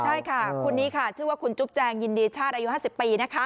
ใช่ค่ะคนนี้ค่ะชื่อว่าคุณจุ๊บแจงยินดีชาติอายุ๕๐ปี